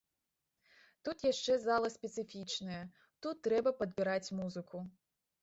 Тут яшчэ зала спецыфічная, тут трэба падбіраць музыку.